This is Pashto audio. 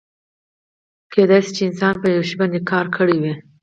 کیدای شي چې انسان په یو شي باندې کار کړی وي.